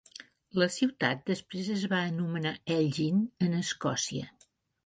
La ciutat, després es va anomenar Elgin en Escòcia.